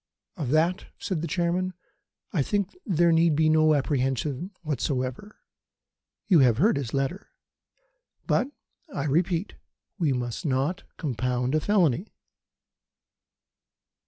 "Of that," said the Chairman, "I think there need be no apprehension whatever. You have heard his letter. But, I repeat, we must not compound a felony!"